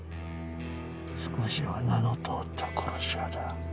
少しは名の通った殺し屋だ。